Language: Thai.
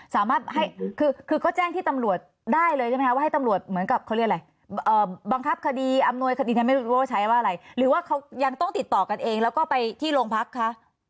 สามารถให้คือก็แจ้งที่ตำรวจได้เลยใช่ไหมคะว่าให้ตำรวจเหมือนกับเขาเรียกอะไรบังคับคดีอำนวยคดียังไม่รู้ว่าใช้ว่าอะไรหรือว่าเขายังต้องติดต่อกันเองแล้วก็ไปที่โรงพักคะ